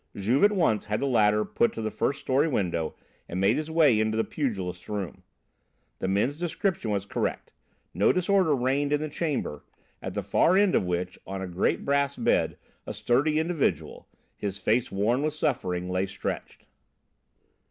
Juve at once had the ladder put to the first story window and made his way into the pugilist's room. The men's description was correct. No disorder reigned in the chamber, at the far end of which, on a great brass bed, a sturdy individual, his face worn with suffering, lay stretched.